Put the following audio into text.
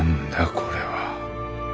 これは。